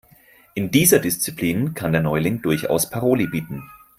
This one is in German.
In dieser Disziplin kann der Neuling durchaus Paroli bieten.